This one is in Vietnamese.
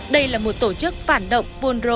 đây là một tổ chức phản động phú đô lưu vong